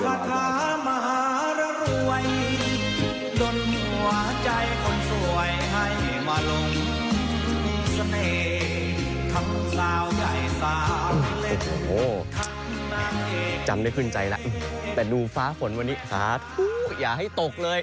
จำได้ขึ้นใจแล้วแต่ดูฟ้าฝนวันนี้สาธุอย่าให้ตกเลย